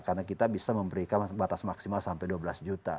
karena kita bisa memberikan batas maksimal sampai dua belas juta